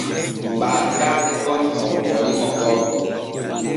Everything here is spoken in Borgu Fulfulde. Babiraaɓe goni hokkoriimo gorko.